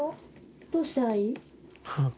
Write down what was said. どうしたらいい？